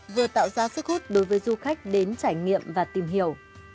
vừa tạo ra sức hút đối với du khách đến trải nghiệm và tìm hiểu